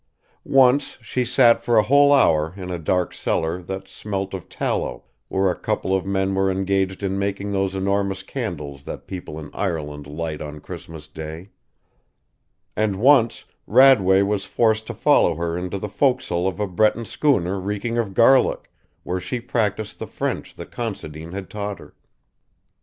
Once she sat for a whole hour in a dark cellar that smelt of tallow where a couple of men were engaged in making those enormous candles that people in Ireland light on Christmas Day; and once Radway was forced to follow her into the forecastle of a Breton schooner reeking of garlic, where she practised the French that Considine had taught her.